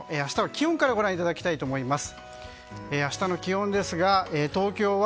気温からご覧いただきたいと思います。